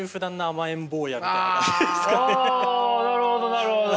あなるほどなるほど。